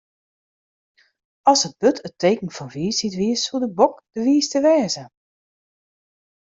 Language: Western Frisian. As it burd it teken fan wysheid wie, soe de bok de wiiste wêze.